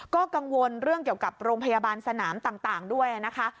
ก็กังวลเรื่องเกี่ยวกับโรงพยาบาลสนามต่างด้วยนะคะ